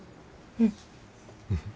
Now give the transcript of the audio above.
うん。